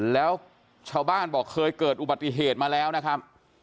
แล้วชาวบ้านบอกเคยเกิดอุบัติเหตุมาแล้วนะครับ